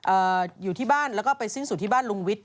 อยู่ที่บ้านแล้วก็ไปสิ้นสุดที่บ้านลุงวิทย